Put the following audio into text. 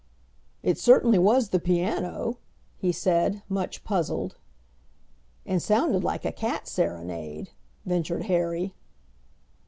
"It certainly was the piano," he said, much puzzled. "And sounded like a cat serenade," ventured Harry.